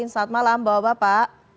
selamat malam bapak bapak